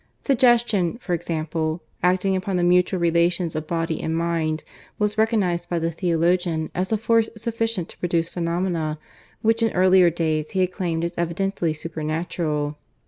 Suggestion, for example, acting upon the mutual relations of body and mind, was recognized by the theologian as a force sufficient to produce phenomena which in earlier days he had claimed as evidently supernatural.